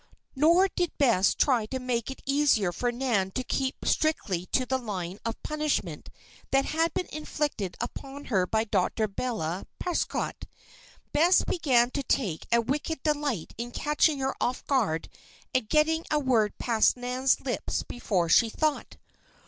Nor did Bess try to make it easier for Nan to keep strictly to the line of punishment that had been inflicted upon her by Dr. Beulah Prescott. Bess began to take a wicked delight in catching her off her guard and getting a word past Nan's lips before she thought.